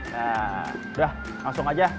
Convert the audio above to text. nah sudah langsung aja